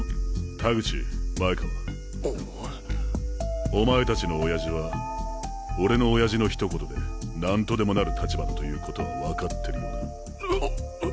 田口前川お前達の親父は俺の親父のひと言で何とでもなる立場だという事は分かってるよな。